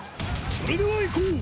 それではいこう。